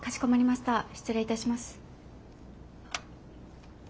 失礼いたします。